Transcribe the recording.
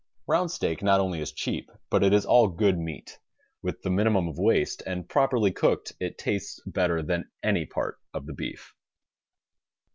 Round steak not only is cheap, but it is all good meat, with the minimum of waste, and properly cooked it TASTES better than any part of the beef.